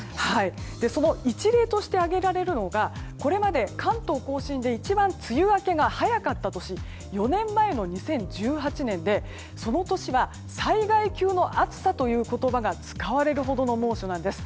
その一例として挙げられるのがこれまで関東・甲信で一番、梅雨明けが早かった年は４年前の２０１８年で、その年は災害級の暑さという言葉が使われるほどの猛暑なんです。